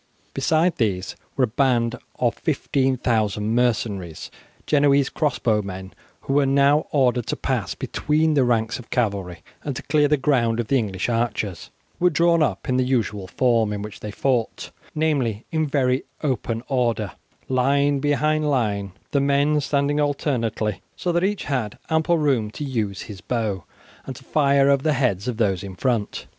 Besides these were a band of 15,000 mercenaries, Genoese crossbow men, who were now ordered to pass between the ranks of cavalry and to clear the ground of the English archers, who were drawn up in the usual form in which they fought namely, in very open order, line behind line, the men standing alternately, so that each had ample room to use his bow and to fire over the heads of those in front.